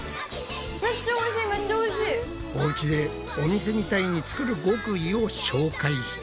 おうちでお店みたいに作る極意を紹介した。